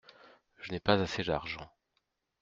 Je n’ai pas assez d’argent.